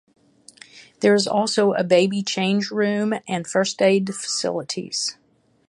There is also a baby change room and first aid facilities.